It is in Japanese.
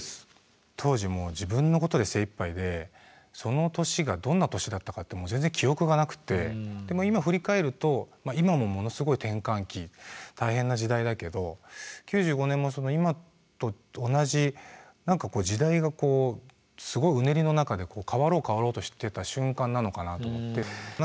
当時もう自分のことで精いっぱいでその年がどんな年だったかってもう全然記憶がなくてでも今振り返ると今もものすごい転換期大変な時代だけど９５年もその今と同じ何かこう時代がこうすごいうねりの中で変わろう変わろうとしてた瞬間なのかなと思ってそれを歌にしたいなと。